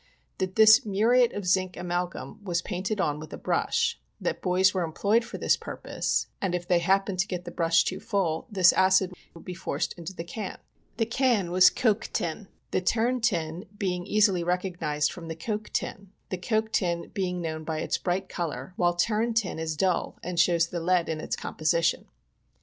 That this muriate of zinc amalgum was painted on with a brush, that boys were employed for this purpose, and if they happened to get the brush too full, this acid would be forced into the can. The can was coke tin. The terne tin being easily recognized from coke tin — the coke tin being known by its bright color, while Terne tin is dull and shows the lead in its composition.